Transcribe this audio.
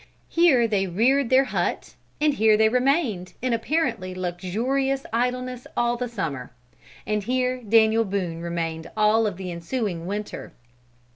Here they reared their hut, and here they remained in apparently luxurious idleness all the summer; and here Daniel Boone remained all of the ensuing winter.